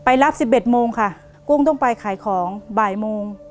ไปรับสิบเอ็ดโมงค่ะกุ้งต้องไปขายของบ่ายโมง